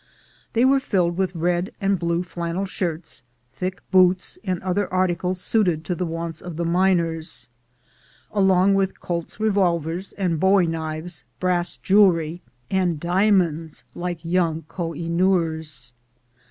They were filled with red and blue flannel shirts, thick boots, and other arti cles suited to the wants of the miners, along with Colt's revolvers and bowie knives, brass jewelry, and dia monds like young Koh i Noors.